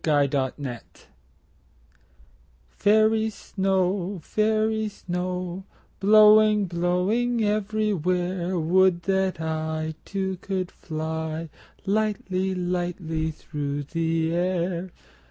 Snow Song FAIRY snow, fairy snow, Blowing, blowing everywhere, Would that I Too, could fly Lightly, lightly through the air.